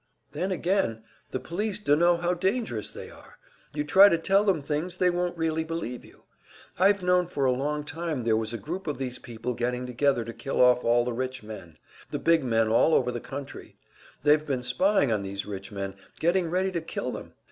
"Then again, the police dunno how dangerous they are. You try to tell them things, they won't really believe you. I've known for a long time there was a group of these people getting together to kill off all the rich men, the big men all over the country. They've been spying on these rich men, getting ready to kill them.